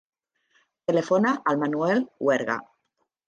Telefona al Manuel Huerga.